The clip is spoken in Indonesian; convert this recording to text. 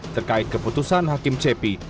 terkait keputusan hakim cepi